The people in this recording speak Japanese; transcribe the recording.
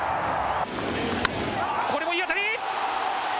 これもいい当たり。